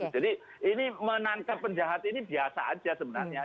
jadi ini menangkap penjahat ini biasa aja sebenarnya